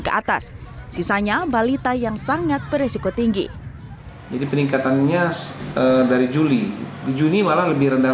ke atas sisanya balita yang sangat beresiko tinggi jadi peningkatannya dari juli di juni malah lebih rendah